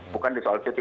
bukan di soal cuti